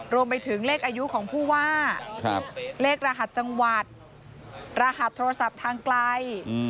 รวมไปถึงเลขอายุของผู้ว่าเลขรหัสจังหวัดรหัสโทรศัพท์ทางไกล